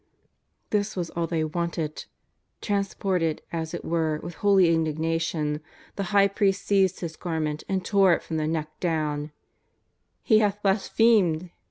This was all they wanted. Transported, as it were, with holy indignation, the High priest seized His gar ment and tore it from the neck dowTi. "He hath blasphemed!"